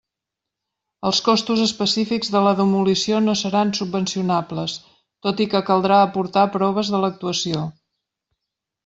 Els costos específics de la demolició no seran subvencionables, tot i que caldrà aportar proves de l'actuació.